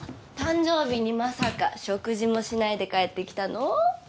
誕生日にまさか食事もしないで帰ってきたの？